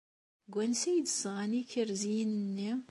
Seg wansi ay d-sɣan ikerziyen-nni?